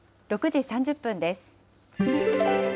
６時３０分です。